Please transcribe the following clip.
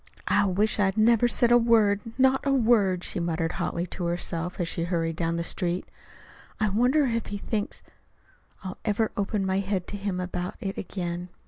"I wish I'd never said a word not a word," she muttered hotly to herself as she hurried down the street. "I wonder if he thinks I'll ever open my head to him about it again.